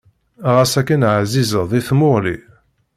Xas akken ɛzizeḍ i tmuɣli.